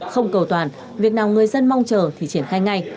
không cầu toàn việc nào người dân mong chờ thì triển khai ngay